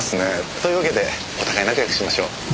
というわけでお互い仲良くしましょう。